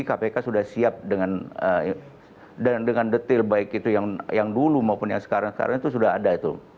kpk sudah siap dengan detail baik itu yang dulu maupun yang sekarang sekarang itu sudah ada itu